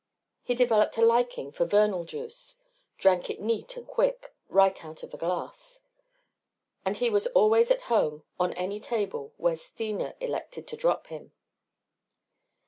He developed a liking for Vernal juice, drank it neat and quick, right out of a glass. And he was always at home on any table where Steena elected to drop him.